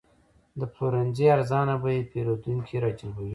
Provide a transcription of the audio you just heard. د پلورنځي ارزانه بیې پیرودونکي راجلبوي.